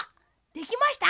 できました？